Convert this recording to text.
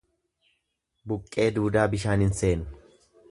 Buqqee duudaa bishaan hin seenu.